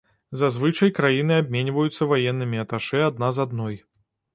Зазвычай краіны абменьваюцца ваеннымі аташэ адна з адной.